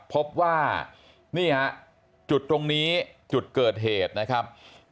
พบว่านี่ฮะจุดตรงนี้จุดเกิดเหตุนะครับ